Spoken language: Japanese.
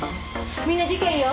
みんな事件よ。